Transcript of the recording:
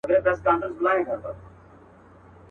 لار چي کله سي غلطه له سړیو.